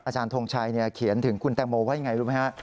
อาจารย์ทงชัยเขียนถึงคุณแตงโมว่ายังไงรู้มั้ยค่ะ